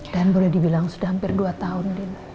dan boleh dibilang sudah hampir dua tahun